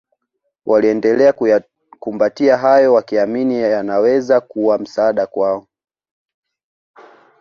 waliendelea kuyakumbatia hayo wakiamini yanaweza kuwa msaada kwao